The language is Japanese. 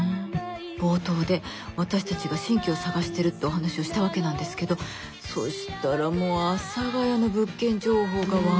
冒頭で私たちが新居を探してるってお話をしたわけなんですけどそしたらもう阿佐ヶ谷の物件情報がわんさか送られてきちゃって。